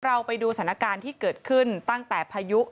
เราไปดูสถานการณ์ที่เกิดขึ้นตั้งแต่พายุ